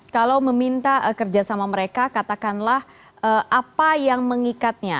kalau meminta kerjasama mereka katakanlah apa yang mengikatnya